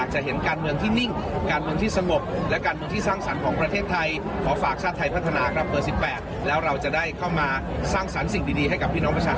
ให้ให้พี่น้องประฉาศส่วนคนไทยครับ